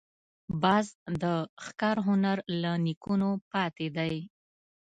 باز د ښکار هنر له نیکونو پاتې دی